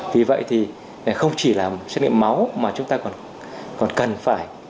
vì vậy thì không chỉ là xét nghiệm máu mà chúng ta còn cần phải